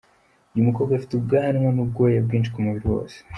Uyu mukobwa afite ubwanwa n'ubwoya bwinshi ku mubiri wose.